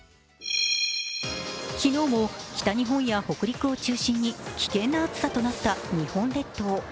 昨日も北日本や北陸を中心に危険な暑さとなった日本列島。